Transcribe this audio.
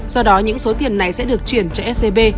do đó những số tiền này sẽ được chuyển cho scb